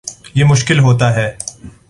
یہ مشکل ہوتا ہے